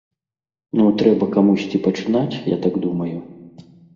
Ну трэба камусьці пачынаць, я так думаю.